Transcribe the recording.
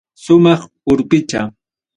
Sumaq urpicha.